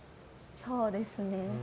そうですね。